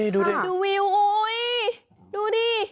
ดูดิโอ้ยดูดิ